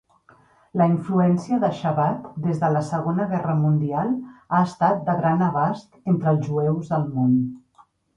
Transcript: La influència de Chabad des de la Segona Guerra Mundial ha estat de gran abast entre els jueus del món.